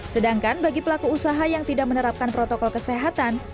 sedangkan bagi pelaku usaha yang tidak menerapkan protokol kesehatan